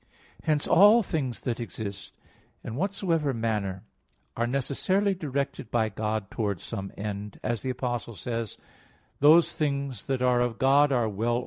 Hence all things that exist in whatsoever manner are necessarily directed by God towards some end; as the Apostle says: "Those things that are of God are well ordered [*Vulg.